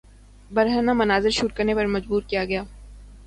برہنہ مناظر شوٹ کرنے پر مجبور کیا گیا